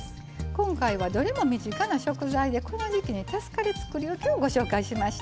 今回はどれも身近な食材でこの時期に助かるつくりおきをご紹介しました。